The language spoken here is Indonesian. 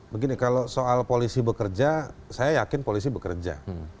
begini kalau soal polisi bekerja saya yakin polisi bekerja